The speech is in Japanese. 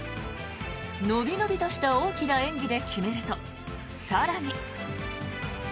伸び伸びとした大きな演技で決めると、更に。